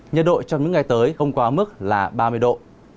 nhiệt độ trong những ngày tới không quá mức là ba mươi độ